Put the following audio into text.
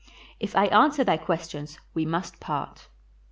If I answer thy questions we must part."